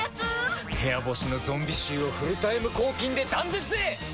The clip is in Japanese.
部屋干しのゾンビ臭をフルタイム抗菌で断絶へ！